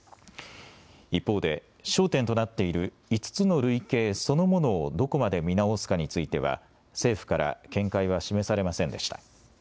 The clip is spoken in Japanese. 一方で焦点となっている５つの類型そのものをどこまで見直すかについては政府から見解は示されませんでした。